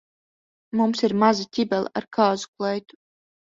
Mums ir maza ķibele ar kāzu kleitu.